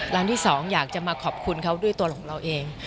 ร้านที่สองอยากจะมาขอบคุณเขาด้วยตัวของเราเอง